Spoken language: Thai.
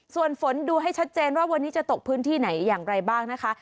ส่วนฝนดูให้ชัดเจนว่าวันนี้จะตกพื้นที่ไหนอย่างไรบ้างนะคะ